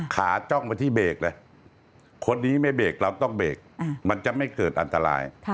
จ้องมาที่เบรกเลยคนนี้ไม่เบรกเราต้องเบรกมันจะไม่เกิดอันตราย